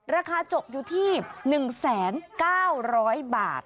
ราคาจกอยู่ที่๑๙๐๐บาท